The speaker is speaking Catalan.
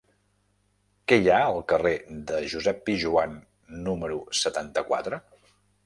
Què hi ha al carrer de Josep Pijoan número setanta-quatre?